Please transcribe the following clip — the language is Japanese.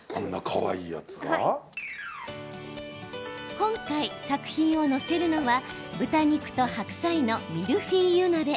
今回、作品を載せるのは豚肉と白菜のミルフィーユ鍋。